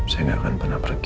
saya nggak akan pernah pergi